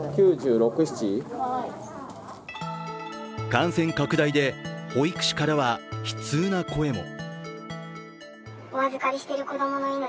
感染拡大で保育士からは悲痛な声も。